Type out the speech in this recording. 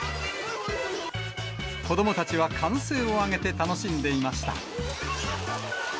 子どもたちは歓声を上げて楽しんでいました。